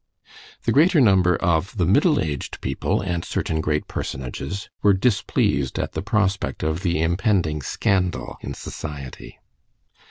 The greater number of the middle aged people and certain great personages were displeased at the prospect of the impending scandal in society.